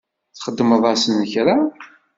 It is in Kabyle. Txedmeḍ-asen kra?